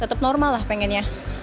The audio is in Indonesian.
tetap normal lah pengennya